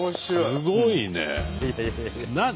すごいね。